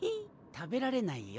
食べられないよ。